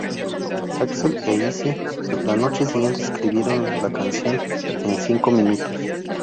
Axl e Izzy la noche siguiente escribieron la canción en cinco minutos.